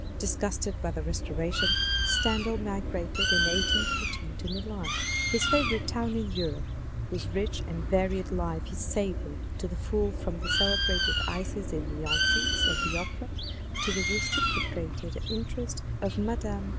Disgusted by the Restoration, Stendhal migrated in 1 8 14 to Milan, his favourite town in Europe, whose rich and varied life he savoured to the full from the cele brated ices in the entreates of the opera, to the re ciprocated interest of Mme.